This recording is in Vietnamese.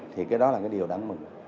thì cái đó là cái điều đáng mừng